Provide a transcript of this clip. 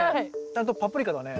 ちゃんとパプリカだね。